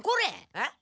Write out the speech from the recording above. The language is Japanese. えっ？